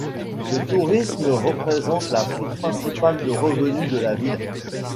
Le tourisme représente la source principale de revenus de la ville.